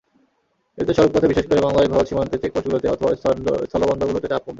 এতে সড়কপথে বিশেষ করে বাংলাদেশ-ভারত সীমান্তে চেকপোস্টগুলোতে অথবা স্থলবন্দরগুলোতে চাপ কমবে।